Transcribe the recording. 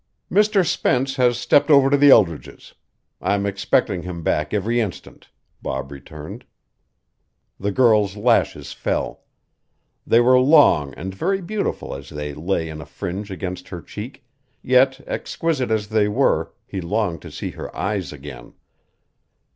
"Mr. Spence has stepped over to the Eldredges'. I'm expecting him back every instant," Bob returned. The girl's lashes fell. They were long and very beautiful as they lay in a fringe against her cheek, yet exquisite as they were he longed to see her eyes again.